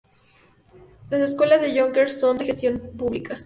Las Escuelas de Yonkers son de gestión públicas.